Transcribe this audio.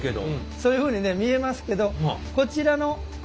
そういうふうにね見えますけどこちらの上と下ですね